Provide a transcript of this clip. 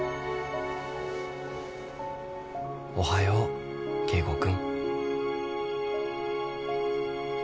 おはよう圭吾君。